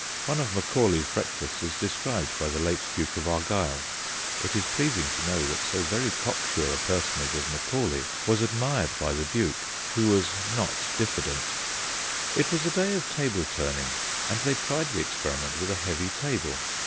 One of Macaulay 's breakfasts is described by the late Duke of Argyll. (It is pleasing to know that so very cocksure a personage as Macaulay was admired by the Duke, who was not diffi dent.) It was the day of table turning, and they tried the experiment with a heavy table.